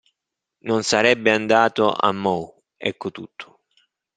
Non sarebbe andato a Meaux, ecco tutto.